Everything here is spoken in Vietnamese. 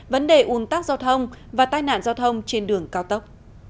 vấn đề ung tác giao thông và tai nạn giao thông trên đường cao tốc